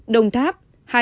đồng tháp hai mươi sáu